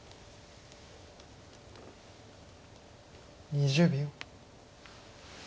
２０秒。